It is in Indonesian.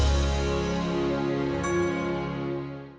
kenapa aku malah jadi marah sama tiana